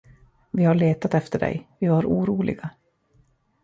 Vi har letat efter dig, vi var oroliga!